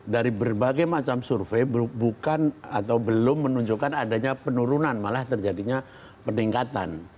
dari berbagai macam survei bukan atau belum menunjukkan adanya penurunan malah terjadinya peningkatan